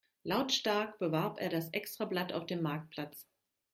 Lautstark bewarb er das Extrablatt auf dem Marktplatz.